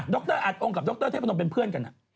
รออัดองค์กับดรเทพนมเป็นเพื่อนกัน